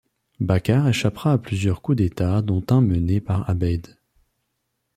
Bacar échappera à plusieurs coups d'État dont un mené par Abeid.